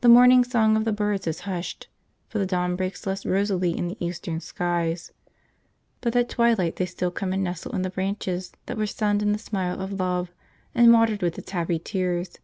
The morning song of the birds is hushed, for the dawn breaks less rosily in the eastern skies, but at twilight they still come and nestle in the branches that were sunned in the smile of love and watered with its happy tears.